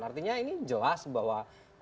artinya ini jelas bahwa